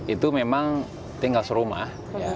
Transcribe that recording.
itu memang tinggal serumah